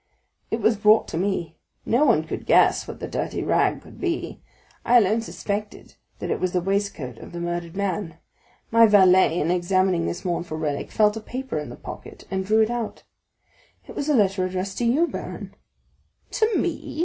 "It was brought to me. No one could guess what the dirty rag could be; I alone suspected that it was the waistcoat of the murdered man. My valet, in examining this mournful relic, felt a paper in the pocket and drew it out; it was a letter addressed to you, baron." "To me?"